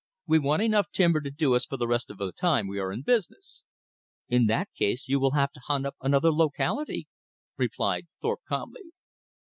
We want enough timber to do us for the rest of the time we are in business." "In that case, you will have to hunt up another locality," replied Thorpe calmly.